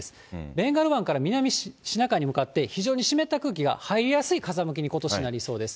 ベンガル湾から南シナ海に向かって、非常に湿った空気が入りやすい風向きに、ことしなりそうです。